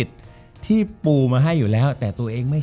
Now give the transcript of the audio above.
จบการโรงแรมจบการโรงแรม